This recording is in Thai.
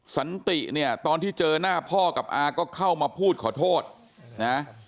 สันติเนี่ยตอนที่เจอหน้าพ่อกับอาก็เข้ามาพูดขอโทษนะ